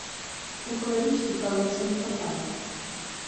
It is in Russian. Около речки колодца не копают.